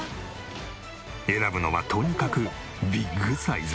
選ぶのはとにかくビッグサイズ。